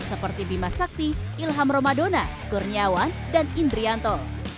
seperti bima sakti ilham romadona kurniawan dan indrianto